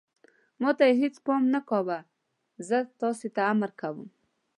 ما ته یې هېڅ پام نه کاوه، زه تاسې ته امر کوم.